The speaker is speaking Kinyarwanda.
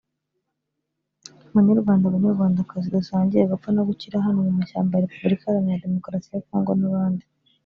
Banyarwanda Banyarwandakazi dusangiye gupfa no gukira hano mu mashyamba ya Repuburika Iharanira Demokarasi ya Kongo n’abandi